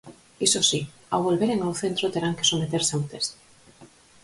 Iso si, ao volveren ao centro terán que someterse a un test.